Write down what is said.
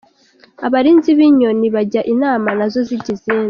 Abarinzi b’inyoni bajya Inama nazo zijya izindi.